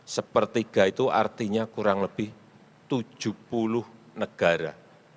sepertiga itu artinya kurang lebih tujuh puluh negara